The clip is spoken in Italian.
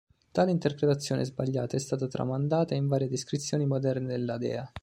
Tale interpretazione sbagliata è stata tramandata in varie descrizioni moderne della dea.